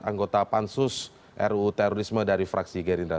anggota pansus ruu terorisme dari fraksi gerindra